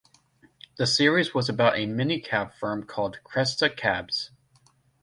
The series was about a mini-cab firm called Cresta Cabs.